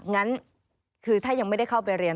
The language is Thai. งั้นคือถ้ายังไม่ได้เข้าไปเรียน